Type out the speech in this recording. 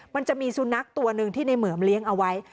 มันจะมีสุนัขตัวหนึ่งที่ในเหมือมเลี้ยงเอาไว้